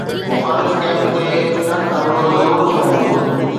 مخالف ڪئمپ تي سخت حملو ضرور ٿيو هوندو.